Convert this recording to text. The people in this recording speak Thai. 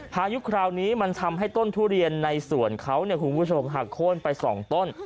พายุคราวนี้มันทำให้ต้นทุเรียนในสวนเขาเนี่ยคุณผู้ชมหักโค้นไป๒ต้น